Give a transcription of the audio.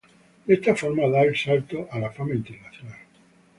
De esta forma, da el salto a la fama internacional.